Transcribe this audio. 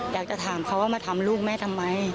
อยากจะถามเขาว่ามาทำลูกแม่ทำไม